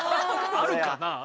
あるかなあ？